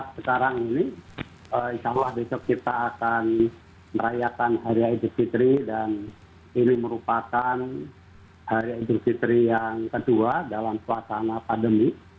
sekarang ini insya allah besok kita akan merayakan hari idul fitri dan ini merupakan hari idul fitri yang kedua dalam suasana pandemi